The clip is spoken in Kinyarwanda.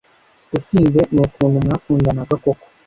utinze nukuntu mwakundanaga koko!"